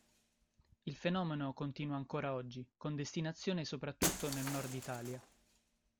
Il fenomeno continua ancora oggi, con destinazione soprattutto nel nord Italia.